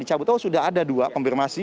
dicabut tahu sudah ada dua konfirmasi